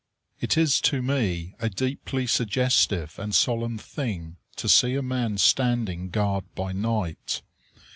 It is to me a deeply suggestive and solemn thing to see a man standing guard by night.